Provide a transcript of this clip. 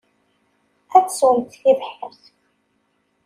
Ad tesswemt tibḥirt.